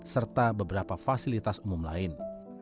serta beberapa fasilitas umum lain